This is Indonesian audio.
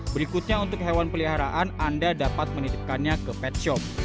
berikutnya untuk hewan peliharaan anda dapat menitipkannya ke pet shop